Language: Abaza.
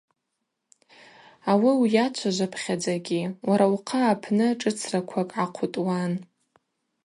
Ауи уйачважвапхьадзагьи уара ухъа апны шӏыцраквакӏ гӏахъутӏуан.